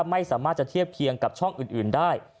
ไม่สามารถจะเทียบเคียงกับช่องอื่นได้